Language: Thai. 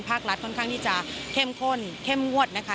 ภาครัฐค่อนข้างที่จะเข้มข้นเข้มงวดนะคะ